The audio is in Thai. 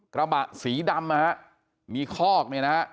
กระบะสีดำนะฮะมีคอกเนี่ยนะฮะ